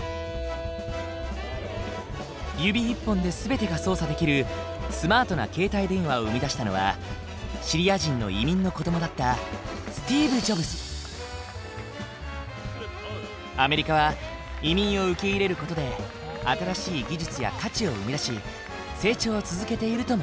指一本で全てが操作できるスマートな携帯電話を生み出したのはシリア人の移民の子どもだったアメリカは移民を受け入れる事で新しい技術や価値を生み出し成長を続けているともいえるんだ。